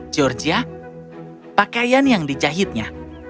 georgia pakaian yang dijahitnya